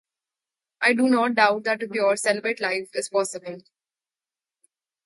I do not doubt that a pure celibate life is possible.